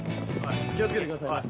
気を付けてください。